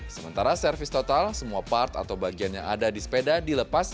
sementara servis total semua part atau bagian yang ada di sepeda dilepas